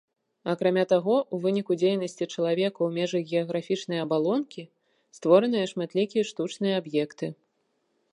Акрамя таго, у выніку дзейнасці чалавека ў межах геаграфічнай абалонкі створаныя шматлікія штучныя аб'екты.